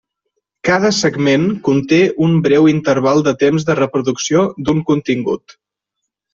Cada segment conté un breu interval de temps de reproducció d'un contingut.